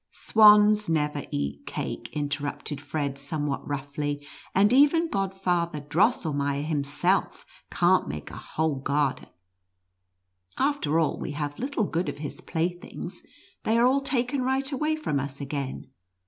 " Swans never eat cake," interrupted Fred, somewhat roughly, " and even Godfather Dros NUTCBACKER AND MOUSE KING. 9 selmeier himself can't make a whole garden. After all, we have little good of his playthings ; they are all taken right away from us again.